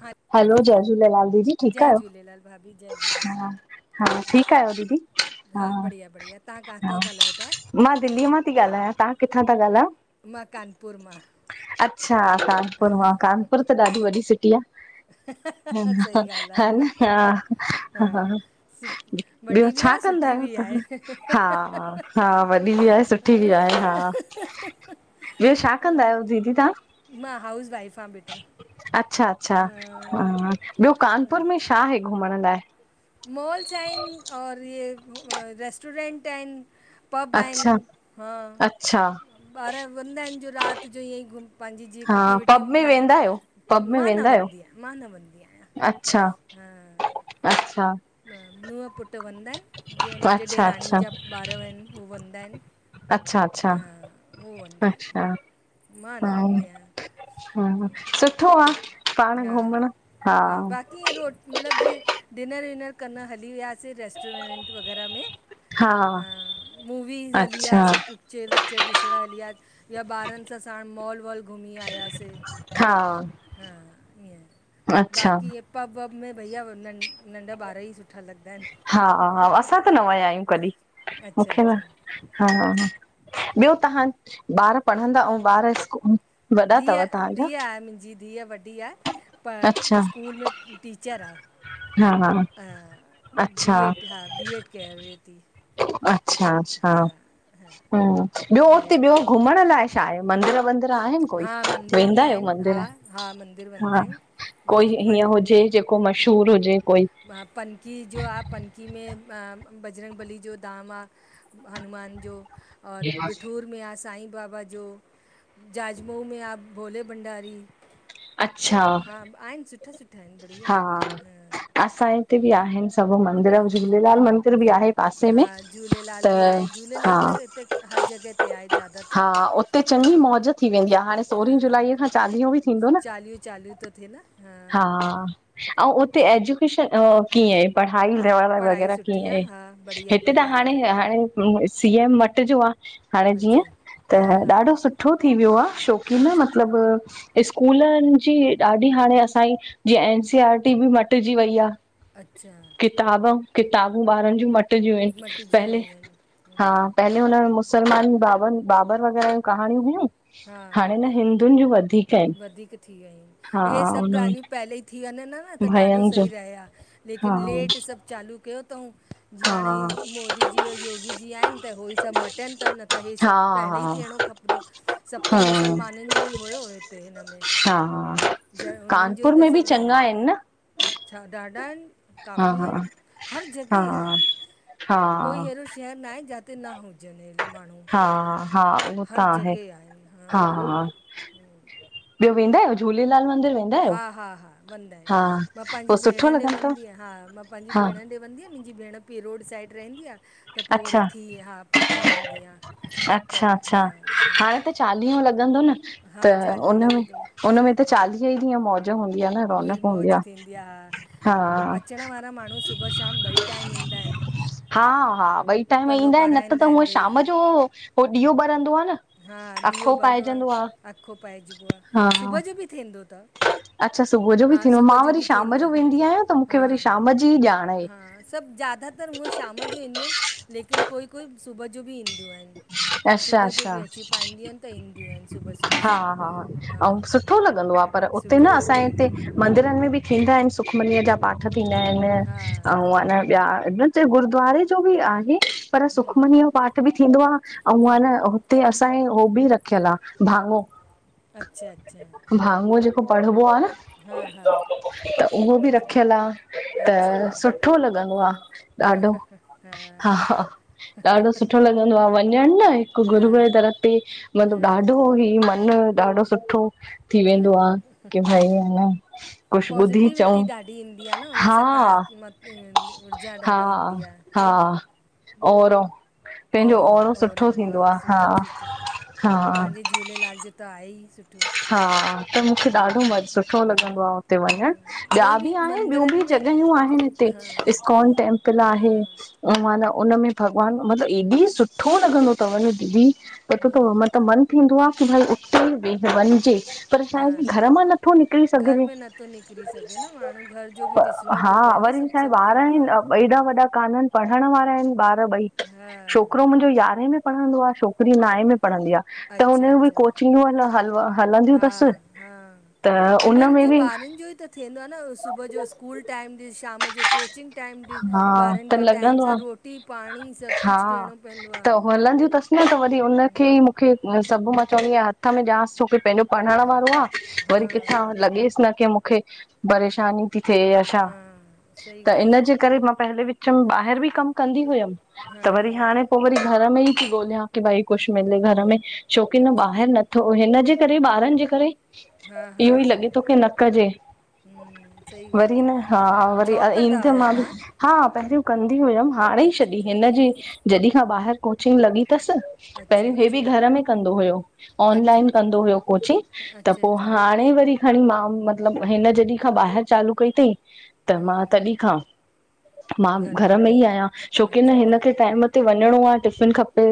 हा हलो, जय झूलेलाल दीदी! ठीक जय आहियो झूलेलाल भाभी जय झूलेलाल हा। हा, ठीक आयो दीदी। हा, बढ़िया बढ़िया तव्हां काथऊं ॻाल्हायो ता? मां दिल्ली मां ती ॻाल्हायां, तव्हां किथां था ॻाल्हायो? मां कानपुर मां अच्छा, कानपुर मां, कानपुर त ॾाढी वॾी सिटी आ। सही ॻाल्हि हा, आहे हा सु ॿियो वॾी बि छा आहे कंदा सुठी आहियो बि तव्हां? आहे हा, हा वॾी बी आहे सु सुठी बी आहे हा, ॿियो छा कंदा आहियो दीदी तव्हां? मां हाउस वाइफ आं बि अच्छा! अच्छा! हा! ॿियो कानपुर में छा आहे घुमण लाइ? मॉल्स आहिन। और अ रेस्टोरेंट आहिन। पब अच्छा आहिनि। हा! अच्छा ॿार वेंदा आहिन। जो रात जो ईअं ई घुम पंहिंजी जीअं हा किटी पब विटियूं में ठाहियूं। वेंदा आहियो पो पब में मां न वेंदा आहियो? वंदी आहियां। मा न वंदी आहियां। अच्छा, अच्छा। नूहं पुटु वेदा आहिनि। जीअं मुंहिंजे अच्छा ॾेराणी अच्छा जा ॿार वञं वञंदा अच्छा आहिनि। अच्छा हा, उ वेदा अच्छा आहिनि। मां न हा वेंदी आहियां। हा, सुठो आ। पाण घुमण हा। कीअं रोट, मतलबु जीअं डिनर विनर कनि हली वियासीं रेस्टोरैेंट वग़ैरह में। हा, मूवीस हली अच्छा आयासीं। पिकचर, विकचर ॾिसणु हली आयासा। ॿियो ॿारनि सां साण मॉल वॉल घुमी आयासीं। हा। हा! ईअं, अच्छा बाक़ी इहे पब वब में, भईया नंढा ॿार ई सुठा लॻंदा। हा! आहिनि हा! असां त न विया आहियूं कॾहिं, अच्छा मूंखे न, अच्छा हा, अच्छा ह। त ॿियो, तव्हां ॿार पढ़ंदा ऐं ॿार स्कू, धीय, धीय आहे मुंहिंजी। धीय वॾी आहे। अच्छा प स्कूल में टीचर आह। हा, हा। हा। बी अच्छा एड, बी एड करे थी। अच्छा, अच्छा, हा हा। ॿियो बी एड हुते ॿियो करे घुमण लाइ? छा आहे? मंदिर वन्दिर आहिनि कोई? हा मंदर बि वेंदा आहियो आहिनि मंदिर? हा हा मंदर वेंदा हा। आहियूं कोई व हीअं हुजे? जेको मशहूर हुजे कोई। पनकी जो आहे। पनकी में बजरंग बली जो दाम आहे। हनुमान जो। और बिठूर में आहे। साईं बाबा जो। जो। जाज मोमह में आ भोले भंडारी। अच्छा सभु, हा! आहिनि सुठा सुठा आहिनि। बढ़िया आहिनि। ह असांजे हिते बि आहिनि। सभु म मंदिर, झूलेलाल मंदिर बि आहे हा पासे में। हा झूलेलाल त, बि आहे हा! झूलेलाल त हिते हर जॻह ते आए। ज हा! उते चङी मौज थी वेंदी आहे। हाणे सोरहीं जुलाई खां चालीहो बि थींदो न। चालीहूं चालू थो थिए न? हा, ऐं उते एजुकेशन त। कीअं आहे? पढ़ाई ई लेवल पढ़ाई वग़ैरह कीअं सुठी आहे? हा बढ़िया हिते त बढ़िया पढ़ हाणे, हाणे। सी एम मटि जो आ। हाणे जीअं। अच्छा हा त हा ॾाढो सुठो थी वियो आहे। शोकीन अच्छा मतलब। स्कूलनि जी, ॾाढी हाणे असांजी, जीअं एन सी आर टी बि मटिजी वई आहे। अच्छा। किताब, किताबूं ॿारनि जूं मटजी आहिनि। मटिजी वियूं पहले आहिनि हा। हम्म, पहले हुन मुसलमान बाबर बाबर वग़ैरह कहाणियूं हुयूं। हा हाणे न हिंद डनि जूं वधीक। आहिनि वधीक थी वियूं हा इहे। य सभु हुनमें ॻाल्हियूं पहले ई थी वञनि न। न, त ॾाढो भयन जो सही रहे आहे। हा लेकिन लेट सभु चालू कयो अथऊं। जीअं हाणे, हा मोदी जी, योगी जी आहिनि। त उहे ई सभु मटनि था। न त इहे सभु। पहले ई हा थियणो खपंदो हुओ। सभु त हा हा मुसलमाननि जो ई हुयो। हा जर, उनि जो ई कानपुर त में बि सभु रहनि। चङा आहिनि न छा? ॾाढा आहिनि। हा काफ़ी आहिनि। खरच हा बि आहिन। हा कोई अहिड़ो शहर न आहे। जिते न हुजनि माण्हू। हा, हा, उहो त हर आहे। जॻह आहिनि हा, हा, ॿियो वेंदा आहियो? झूलेलाल मंदिर वेंदा? आहियो हा हा हा हा, वंदा इन, हा मां पांजी पोइ भेण सुठो ॾे लॻंदो वदीयां, हा, मां पंहिंजी हा भेण ॾे वंदी आं। मुंहिंजी भेण बि रोड साइड रहंदी आ, त पोइ वरी अच्छा थी, हा पोइ थी ईंदी आ। अच्छा अच्छा, हाणे त चालीहो लॻंदो न, त हा चालीहो उन में, उन में त चालीह टे ॾीहं मोज। मुईड़, मौज थींदी आ, हा अचण वारा माण्हूं सुबुह शाम ॿई टाइम ईंदा आहिनि। हा हा, ॿई टाइम पलो ईंदा इनि न त पाराईंदा त आहिनि हूंअ भई शाम जो हो ॾीओ ॿरंदो आ न। हा ॾीओ अखो ॿरदो आ, पाइजंदो अखो पाइजबो आ, हा सुबुह जो बि थींदो तव। अच्छा सुबुह जो बि हा, थींदो सुबुह मां जो वरी बि शाम थींदो आ, जो वेंदी आहियां त मूंखे हा, वरी शाम जी ई ॼाण आहे। हा, सभु ज्यादा पर ऊअं शाम जो ईंदियूं इनि, लेकिन कोई कोई सुबुह जो बि ईंदियूं आहिन। अच्छा सुबुह जो बि अच्छा अची पाईंदियूं अनि त ईंदियूं इनि सुबुह सुबुह हा सां, हा हा। ऐं सुठो लॻंदो आहे पर उते न सुठो लॻंदो असांये हिते आहे मंदिरनि में बि थींदा इनि सुखमनीअ जा पाठ थींदा इनि, हा अऊं अना ॿिया न चइ, गुरूद्वारे जो बि आहे, पर सुखमनीअ जो पाठ बि थींदो आ, अऊं आन, हुते असांजे हो बि रखियलु आ, भाङो अच्छा अच्छा भाङो जेको पढ़िबो आ न। हा हा उहो बि अच्छा रखियल आ, त अच्छा सुठो लॻंदो आ। ॾाढो, हा हा, ॾाढो सुठो ल चवंदो आ वञनि न, हिकु हा गुरूअ जे दर ते, मतिलबु ॾाढो ई मन ॾाढो सुठो। थी वेंदो आ, कि भाई अ न कुछु ॿुधी चऊं, पॉज़िटिविटी हा। पहिले, ऊर्जा ॾाढी ईंदी आ। हा हा, औरव। ओरो, ओरव हा आहे हा सुठो सुठो, हा पांजी झूलेलाल जो त आहे ई सुठो। हा, त मुखे ॾाढो म सुठो लॻंदो आ हुते वञणु। ॿिया उहे बि आहिनि, ॿियूं बि मंदरनि में जॻहियूं आहिनि हिते, हा इस्कॉन टेंपल हा आहे। माना उनमें भॻवानु, मतिलबु एॾी सुठो लॻंदो तव न दीदी हिकु त हूं म त मन थींदो आ की भई उते बि व वञिजे। पर छाहे हा कि घर मां नथो निकरी घर सघिजे, में नथो निकिरी सघे न माण्हू घर जो बि ॾिसणो हा थो पए न वरी सभु छाहे सभु ॿार आहिनि, कमकार एॾा वॾा काननि पढ़ण वारा आहिनि ॿार ॿई हा छोकिरो मुंहिंजो यारहें में पढ़ंदो आ, छकिरी अ नाऐं में पढ़ंदी आ, त अच्छा हुनजी बि अच्छा कोचिंगूं आहिनि हल प हलंदियूं हा तसि, हा त उन हिननि में जो बि ॿारनि जो ई त थींदो आ न, सुबुह जो स्कूल टाइम ॾिसु शाम जो कोचिंग टाइम ॾिस, हा ॿारनि त खे टाइम लॻंदो सां आ रोटी पाणी सभु हा कुछु ॾियणो पेंदो आ। त हलंदियूं तसि न, त वरी हुनखे ई मूंखे सभु मां चवंदी आहियां हथ में ॾियांसि छो कि पंहिंजो पढ़ण वारो आ, हा वरी किथां लॻेसि न की मुखे परेशानी ती थे या छा। हा सही त ॻाल्हि चओ इनजे था करे मां पहले विचमि ॿाहिरि बि कमु कंदी हुयमि, हा त वरी हाणे पोइ वरी घर में ई ती ॻोल्हियां, कि भाई कुछु मिले घर में, छोकी न अच्छा ॿाहिरि अच्छा न थो, हिन जे करे ॿारनि जे करे, हा इहो ई हा लॻे थो कि न कजे। हम्म, सही ॻाल्हि वरी चओ न हा, था वरी जॉब कंदा ईंद आहियो मां बि तव्हां हा पहिरियो कंदी हुयमि, हाणे ई अच्छा छॾी अच्छा हिनजी जॾहिं खां ॿाहिरि कोचिंग लॻी तसि अच्छा पहिरियों हे अच्छा बि घर में कंदो हुयो, अच्छा ऑनलाइन कंदो त हुयो कोचिंग, त अच्छा पोइ अच्छा हाण न ई वरी हणी मां मतिलब, हिन जॾी खां ॿाहिरि चालू कई तईं त मां हम्म, तॾहिं खां मां बि घर में ई आहियां छोकी न अच्छा हिन अच्छा खे टाइम ते वञिणो आहे टिफ़िन खपे।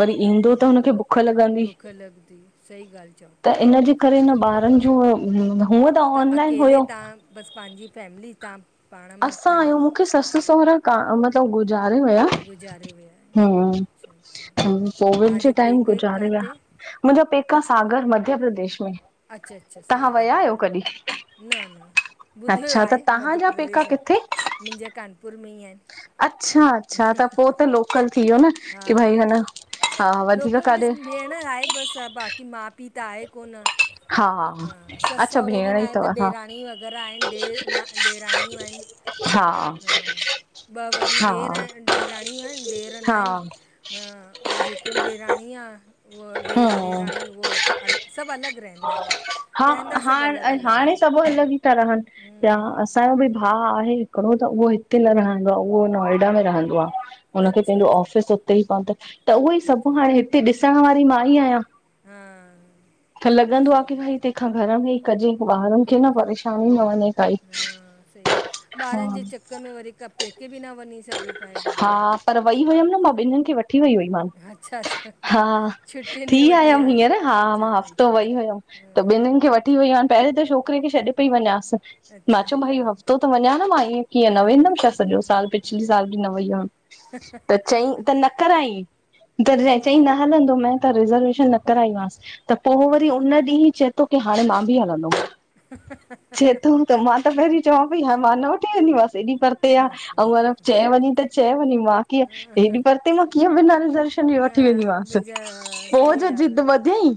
वरी ईंदो खपे त हुनखे बुख लॻंदी बुख लॻंदी सही ॻाल्हि चओ था त इनजी करे न ॿारनि जो हुअं त ऑनलाइन अकेले हुयो। तव्हां बसि पंहिंजी फैमिली तां असां आहियूं मूंखे ससु सहुरा का मतिलबु गु गारे विया। गुज़ारे विया हुं, आहियो अच्छा अच्छा कोविड जे तव्हांजो टाइम पेके गुज़ारे विया। किथे मुंहिंजो पेका, हे सागर मध्य प्रदेश में। अच्छा- अच्छा, तव्हां सागर विया में, आहियो कॾहिं? न- न, ॿुधोियो अच्छा त आहे मध्य तव्हांजा पेका प्रदेश। किथे? मुंहिंजे कानपुर में ई आहिन। अच्छा- अच्छा, त पो त लोकल थी वियो न की हा भई ह न हा- हा वधीक लोकल कर बसि भेण आहे बसि, बाक़ी माउ- पीउ त आहे कोन। हा। हा ससु अच्छा सहुरो बि भेण न ई आहे त थव, हा। ॾेराणी वग़ैरह आहिनि ॾे न ॾेराणियूं आहिनि हा। ॿ वॾियूं हा ॾेर आहिनि- ॾेराणियूं आहिनि, ॾेर न हा आहिनि। न अउ हिक ॾेराणी आ। उहो ॾेर- हम्म ॾेराणी, उहो अलॻि सभु अलॻि रहंन। हा हाण, हाणे आहिनि सभु अलॻि ई था रहनि। या हम्म असांजो बि भाउ आहे हिकिड़ो त उहो हिते न रहंदो आ, उहो नोएडा में रहंदो आ। हुनखे अच्छा पंहिंजो अच्छा ऑफिस उते ई, त उहो ई अच्छा सभु हाणे हिते ॾिसण वारी मां ई आहियां। हा त लॻंदो आ सही कि भई तंहिंखा घर में ई कजे, ॿारनि खे न गॾिजे परेशानी न वञे काई, हा। कुक में वरी कप हा पर वई हुयमि न, मां ॿिन्नि खे वठी वई हुई मांन। अच्छा अच्छा हा छुटियुनि थी में वठी आयमि आया हींअर हा, मां आहिनि। हफ़्तो वई हुयमि। त ॿिन्नि खे वठी वयूं आहिनि, पहिरीं त छोकिरे खे छॾे पई वञा सि। मां अच्छा चयम भई हा हफ़्तो त वञा न मां, इंअं कीअं न हा, वेंदमि अच्छा छा सॼो साल पंज - छ साल न वई त चई, त न करई त हा अच्छा चई न त न मां रिज़रवेशन न कराई मांस्, त पो अच्छा वरी उन ॾीह हित चए तो, कि हाणे मां बि हलंदम। हह-ह। मां त पहिरीं चवां पई, ह मां न वठी वेंदीमसि हेॾी परते आ। चए वञी त चए वञी, मां कीअ हेॾी परते मां कीअं बिना रिजर्वेश जेन बि हा वठी वेंदीमसि। बिजा हा पो सही जो ज़िद ॻाल्हि वधियई,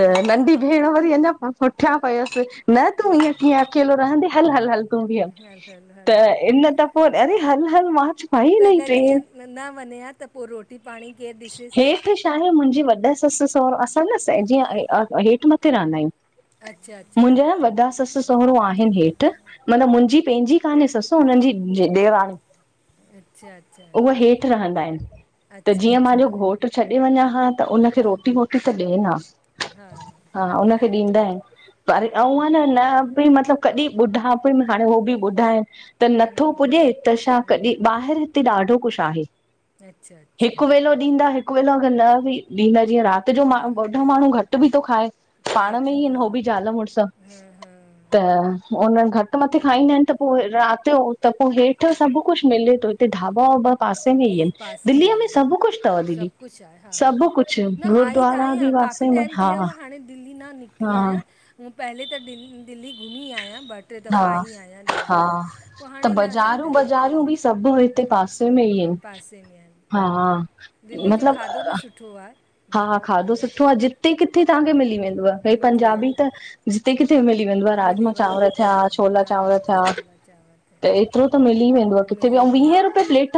आहे हा नंढी भेण वरी अञा पुठियां पयसि, न तूं ईअं कीअ अकेलो रहंदे, हल- हल- हल हलो हलो त हलो इन त पोइ, अड़े हल- हल मां भाई त हिनजी अगरि जीअं ट्रेन न वञे हा, त पोइ रोटी पाणी केरु ॾिसे सां? छाहे मुंहिंजी वॾा ससु सहुरा, असां न जीअं हेठि मथे रहंदा आहियूं। अच्छा अच्छा मुंहिंजा न वॾा ससु आहिनि हेठि, मतलब मुंहिंजी पंहिंजी कान्हे ससु हुननि जीे ॾेराणी अच्छा अच्छा उहा हेठि रहंदा आहिन। त अच्छा जीअं अच्छा मुंहिंजो घोटु छॾे वञा हां त उनखे रोटी- वोटी त ॾियन हां। हा हा हुनखे ॾींदा इन। पर अंउ आ न, न बई मतलबु कॾीं बुढापे में हाणे हो बि ॿुढा इन त नथो हम्म पुॼे त छा कॾे, ॿाहिर हिते ॾाढो कुछ आहे, अच्छा अच्छा हिकु वेलो ॾींदा हिकु वेलो अगर न बि, ॾींदा, जीअं राति जो मा बुढो माण्हू घटि बि तो खाए। खाए पाण में थो ई हिन हा हो बि ज़ाल मुड़ुसु हा हा त उन घटि मथे खाईंदाइनि त पो राति यो त पो हेठि त सभु कुछ मिले तो, हिते ढाबा- वाबा पासे में ई इनि, पासे दिल्लीअ ई में सभु कुछ तव आहिनि दीदी, सभु कुझु आहे हा सभु कुछ, न आई त गुरुद्वारा बि आहियां वा काफ़ी टाइम थी वियो आ, हाणे दिल्ली न निकिती आहियां, पहले त दिल दिल्ली घुमी आहियां, बट ट्रे दफ़ा हा आई आहियां दिल्ली हा में, पो त हाणे न निकिता बाज़ारूं इनि। बाज़ारूं बि सभु हिते पासे में ई आहिनि पासे में आहिन, हा दिल्ली जो मतलब खाधो बि सुठो आ। हा- हा, खाधो सुठो आ, जिते- किथे तव्हांखे मिली वेंदव, भई मिली पंजाबी वेंदो त जिते किथे मिली वेंदोव, मिली राजमा वेंदो चांवर थिया, आहे छोला हा हा चांवर थिया। चावल। त एतिरो त मिली वेंदो आ किथे बि,, मिली अउं वीहें वेंदो रुपये प्लेट।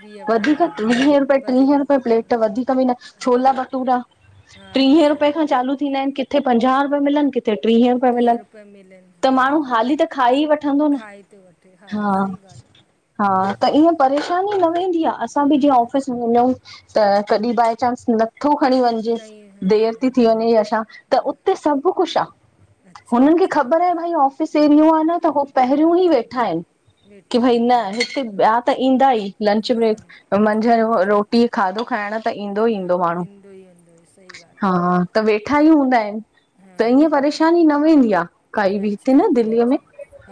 बीह हा वीहें रुपे, वधीक ट्रीहें रुपे हूं, प्लेट, वधीक बि न। हा छोला भटूरा, हा ट्रीहें सही रुपए खां चालू थींदाइनि, किथे पंजाह रुपए मिलनि कि थे ट्रीहें हा रुपये टीह मिलनि रुपए मिलनि त माण्हू हा हाली त खाई वठंदो न? ठे हा, सही ॻाल्हि आ। हा, त ईअं परेशानी न वेंदी आ, असां बि जीअं ऑफिस में वञऊं त कॾीं बाए चांस नथो खणी वञजे, नई हा देरि ती थी वञे या छा? त उते सभु कुछ आ। अच्छा हुननि खे अच्छा ख़बर आहे भई ऑफ़ स एरियो आ न त हू हा पहिरियूं ई वेठा आहिनि वेठा की भई न आहिनि हिते ॿिया त ईंदा ई लंच, हा ब्रेक, मंझंदि, रोटी खाधो खाइण त? ईंदो ई हं, माण्हू ईंदो ई, ईदो ई, सही ॻाल आ। हा, त वेठा ई हूंदाइनि। त ईअं हा परेशानी न वेंदी आ, काई बि अच्छा हिते न, दिल्लीअ में अच्छा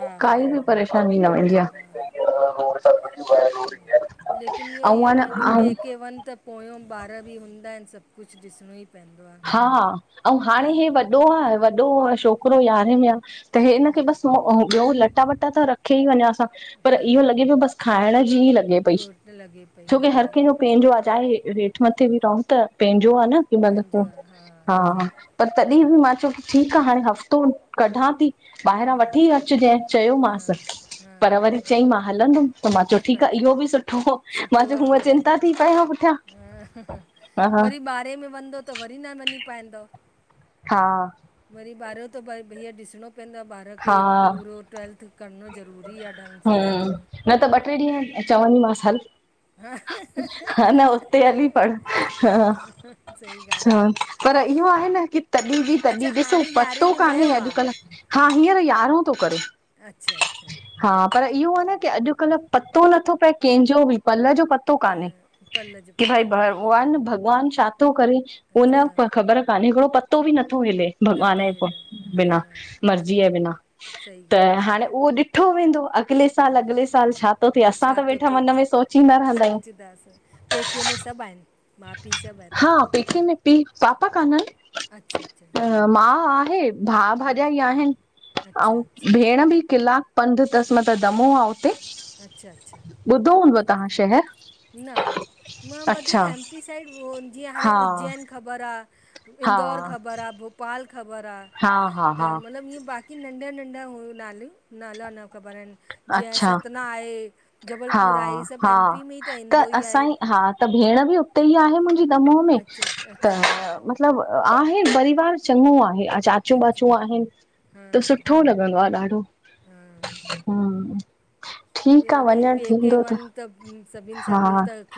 हा हा काई बि परे शानी न वेंदी आ। लेकिन इहो ई आ न की पेके वन त पोयों ॿार बि हूंदा इनि, सभु कुछ ॾिसणो ई पेंदो आ। हा, अउं हाणे हे वॾो आ, वॾो छोकरो यारहें में आ। त हे हिनखे बसि ॿियो लटा- वटा त रखे ई वञास आं, पर इहो लॻे पियो बसि। खाइण जी ई लॻे पई, रोट लॻे पई छोकी हर भई कंहिंजो पंहिंजो आ, चाहे हेठि मथे बि रहूं, त पंहिंजो आ न। की पंहिंजो मतलबु आ, हा सही। पर तॾीं बि मां चयो कि ठीकु आ, हाणे हफ़्तो कढां ती। ॿाहिरां वठी अचजें हा चयोमांसि, हा पर वरी चई मां हलंदुमि। त मां चयो, ठीकु आ, इहो बि सुठो हो। मां सुठो चयो, आहे हूअं बढ़िया चिंता थी पये‌ हां पुठियां हा हा वरी ॿारहें में वेंदो त वरी न वञी पाईंदम। हा। वरी ॿारियो त भैया ॾिसणो पइंदो आ, ॿार ॿार खे हा पूरो ट्वेल्थ करणो ज़रूरी आ, ढंग सां। हम्म न, त ॿ ट्रे ॾींहं चवंदीमासि, हल। हा, न उते हली पढ़, हा। सही ॻाल्हि आहे पर इहो आहे न की, तॾीं बि अच्छा तॾीं ॾिसो, हाणे यारहें पतो में कान्हे वियो आहे अॼुकल्ह। हा, हींअर यारहों थो करे। अच्छा-अच्छा। हा, पर इहो आ न की अॼुकल्ह पतो नथो पए, कंहिंजो बि पल जो प तो कान्हे हा पल जो की भाई पतो न आहे हा भगवान भगवानु छा थो करे हुन अच्छा प ख़बर कोन्हे, हिकिड़ो पतो बि नथो मिले, भगवान नथो जे हिले हा बिना। सही जिए बिना, सही त ॻाल्हि चओ हाणे उहो था ॾठो वेंदो अ अॻिले साल, अॻिले साल छा थो थे? असां त वेठा मन में सोचींदा रंदा आयूं। दास। पैके में सभु आहिन। हा, पेके में पी पापा कान्हन। अच्छा अच्छा मां आहे, भा भाॼाई आहिनि आऊं अच्छा अच्छा भेण बि किला पंध तस मतब दमो आ। अच्छा-अच्छा। ॿुधो हूंदो तव्हां शहर। न, मां अच्छा वधीक एम पी साइड वो जीअं हाणे हा उज्जैन ख़बर आ। हा इंदौर ख़बर आ, भोपाल ख़बर आ, हा हा हा त मतलब ईअं बाक़ी की नंढा नंढा हुइयूं नालियूं नाला न ख़बर आहिन। जीअं अच्छा सतना आहे हा जबलपुर आहे इ सभ हा एम पी में ई त ईंदो ई आहे असांई हा त भेण बि उते ई आहे मुंजी दमोह में अच्छा अच्छा त अच्छा अच्छा मतलब आहे परिवार चङो आहे चाचो अच्छा बाचो आहिन हा त सुठो ल कंदो आ ॾाढो। हा हूं ठीक आ वरी वरी वञण पेके थींदो त वञ सभिनि सां हा मिल त